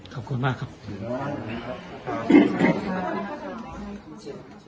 ขอบคุณมากครับ